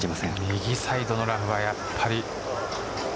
右サイドのラフはやっぱり。